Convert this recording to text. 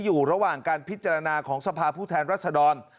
อยู่ระหว่างการพิจารณาของสภาพผู้แทนรัศดร